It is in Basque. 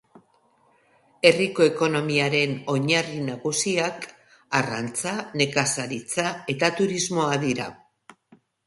Herriko ekonomiaren oinarri nagusiak arrantza, nekazaritza eta turismoa dira.